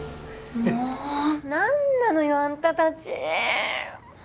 もう何なのよあんたたち。